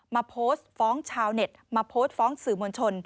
มาโพสต์ฟ้องชาวเน็ตมาโพสต์ฟ้องสื่อมวลชน